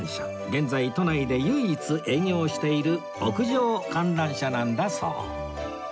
現在都内で唯一営業している屋上観覧車なんだそう